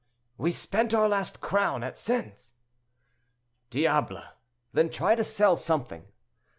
"We spent our last crown at Sens." "Diable! then try to sell something."